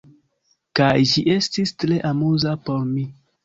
Kaj ĝi estis tre amuza por mi.